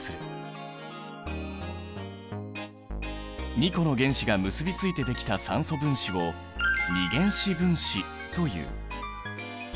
２個の原子が結びついてできた酸素分子を二原子分子という。